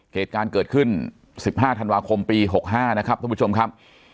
เหตุการณ์เกิดขึ้น๑๕ธันวาคมปี๖๕นะครับท่านผู้ชมครับ